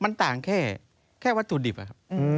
มันต่างแค่วัตถุดิบอะครับ